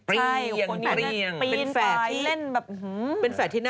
ปล่อยให้เบลล่าว่าง